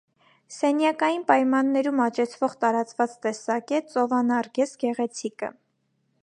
Սենյակային պայմաններում աճեցվող տարածված տեսակ է ծովանարգես գեղեցիկը։